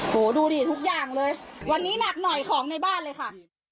โหดูดิทุกอย่างเลยวันนี้หนักหน่อยของในบ้านเลยค่ะ